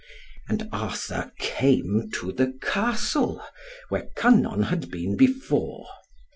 And Arthur came to the Castle, where Kynon had been before.